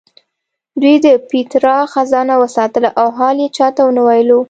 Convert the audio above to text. دوی د پیترا خزانه وساتله او حال یې چا ته ونه ویلو.